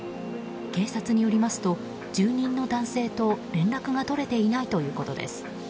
警察によりますと住人の男性と連絡が取れていないということです。